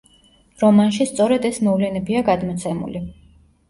რომანში სწორედ ეს მოვლენებია გადმოცემული.